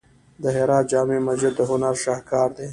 د هرات جامع مسجد د هنر شاهکار دی.